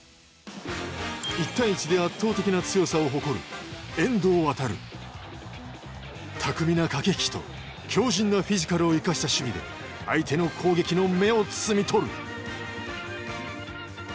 １対１で圧倒的な強さを誇る巧みな駆け引きと強じんなフィジカルを生かした守備で相手の攻撃の芽を摘み取る。